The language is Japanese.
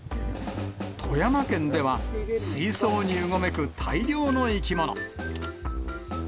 富山県では、水槽にうごめく大量の生き物。